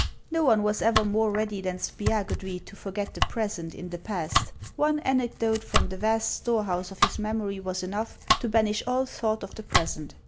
Xo one was ever more ready than Spiagudry to forget the present in the past. One anecdote from the vast store house of his memory was enough to banish all thought of the present.